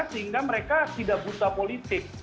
sehingga mereka tidak buta politik